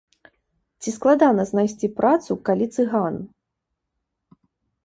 Ці складана знайсці працу, калі цыган?